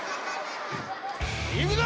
いくぞ！